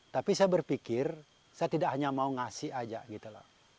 tapi saya berpikir saya tidak hanya mau ngasih aja gitu loh